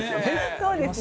そうですね。